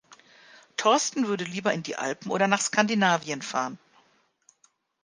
Thorsten würde lieber in die Alpen oder nach Skandinavien fahren.